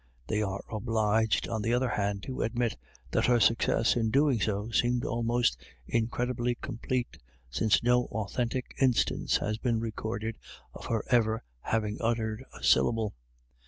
They are obliged, on the other hand, to admit that her success in doing so seemed almost incredibly complete, since no authentic instance has been recorded of her ever having uttered a syllable.